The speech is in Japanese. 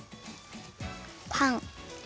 パン。